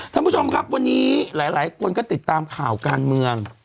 ท่านผู้ชมครับวันนี้หลายคนก็ติดตามข่าวการเมือง